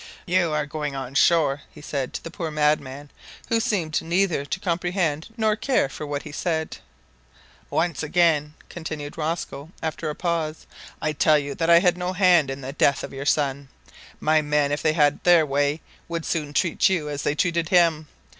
"You are going on shore," he said to the poor madman, who seemed neither to comprehend nor to care for what he said. "Once again," continued Rosco, after a pause, "I tell you that I had no hand in the death of your son. My men, if they had their way, would soon treat you as they treated him.